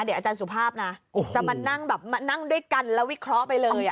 เดี๋ยวอาจารย์สุภาพนะจะมานั่งแบบมานั่งด้วยกันแล้ววิเคราะห์ไปเลย